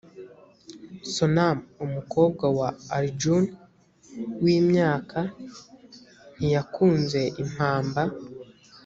sonam umukobwa wa arjun w imyaka ntiyakunze impamba